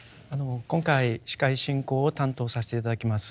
今回司会進行を担当させて頂きます